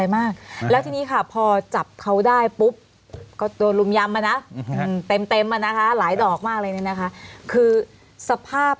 ไม่เคยเจอใหญ่ขนาดนี้ครับ